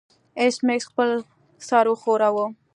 ایس میکس خپل سر وښوراوه